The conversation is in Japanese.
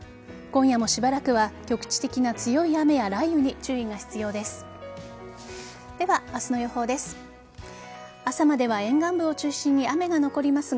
今夜も、しばらくは局地的な強い雨や雷雨に注意が必要です。